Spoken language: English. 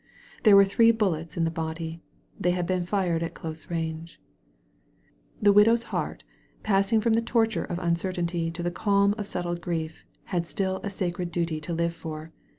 There were three bullets in the body. They had been fired at close range. The widow's heart, passing from the torture of uncertainty to the calm of settled grief, had still a sacred duty to live for.